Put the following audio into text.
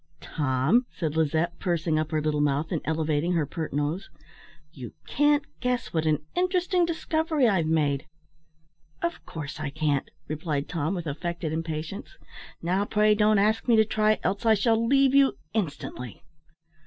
"Tom," said Lizette, pursing up her little mouth and elevating her pert nose; "you can't guess what an interesting discovery I've made." "Of course I can't," replied Tom, with affected impatience; "now, pray, don't ask me to try, else I shall leave you instantly."